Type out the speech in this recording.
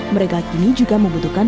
mereka kini juga membutuhkan